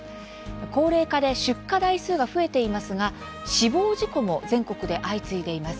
高齢化で出荷台数が増えていますが死亡事故も全国で相次いでいます。